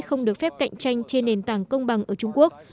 không được phép cạnh tranh trên nền tảng công bằng ở trung quốc